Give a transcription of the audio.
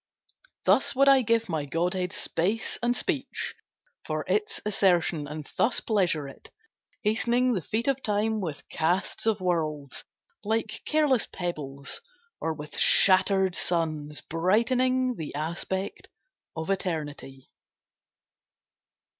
Thus would I give my godhead space and speech For its assertion, and thus pleasure it, Hastening the feet of Time with casts of worlds Like careless pebbles, or with shattered suns Brightening the aspect of Eternity.